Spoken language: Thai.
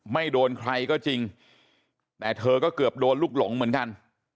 ไม่โดนใครก็จริงแต่เธอก็เกือบโดนลูกหลงเหมือนกัน